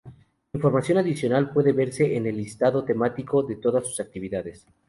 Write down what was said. Información adicional puede verse en el con el listado temático de todas sus actividades.